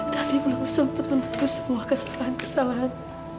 tadi belum sempat menutup semua kesalahan kesalahan